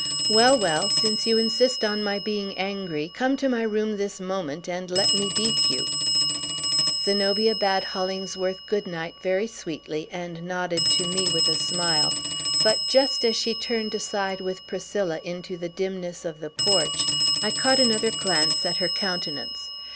"Well, well; since you insist on my being angry, come to my room this moment, and let me beat you!" Zenobia bade Hollingsworth good night very sweetly, and nodded to me with a smile. But, just as she turned aside with Priscilla into the dimness of the porch, I caught another glance at her countenance.